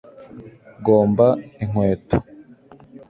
gomba inkweto